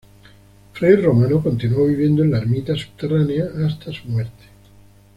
Frei Romano continuó viviendo en la ermita subterránea hasta a su muerte.